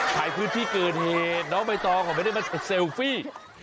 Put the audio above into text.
ในพื้นที่เกิดเหตุน้องใบตองเขาไม่ได้มาเซลฟี่